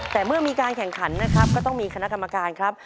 แต่เมื่อมีการแข่งขันนะครับก็ต้องมีคณะกรรมการครับ